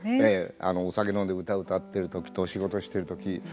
お酒飲んで歌を歌っているときと仕事をしてるとき。